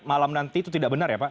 malam nanti itu tidak benar ya pak